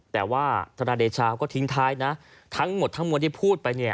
แต่ว่าธรรมดิชาวก็ทิ้งท้ายนะทั้งหมดทั้งหมดที่พูดไป